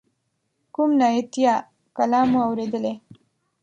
کوم نعتیه کلام مو اوریدلی.